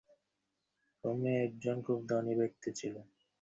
রোমে একজন খুব ধনী ব্যক্তি ছিলেন।